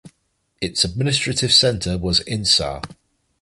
Its administrative centre was Insar.